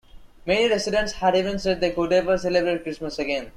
Many residents had even said they could never celebrate Christmas again.